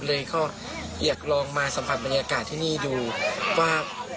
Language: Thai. เลยก็อยากลองมาสัมผัสบรรยากาศที่นี่ดูว่า